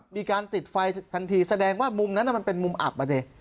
มีการติดไฟทันทีแสดงว่ามุมนั้นมันเป็นมุมอับอ่ะสิ